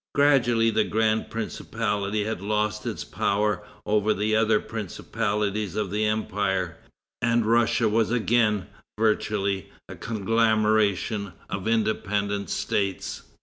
Gradually the grand principality had lost its power over the other principalities of the empire, and Russia was again, virtually, a conglomeration of independent states.